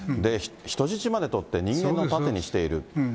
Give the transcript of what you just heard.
人質まで取って、人間を盾にしている。